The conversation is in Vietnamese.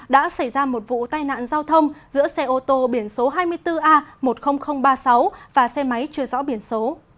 đã xảy ra một vụ tai nạn giao thông giữa xe ô tô biển số hai mươi bốn a một mươi nghìn ba mươi sáu và xe máy chưa rõ biển số